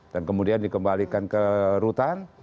dan kemudian dikembalikan ke rutan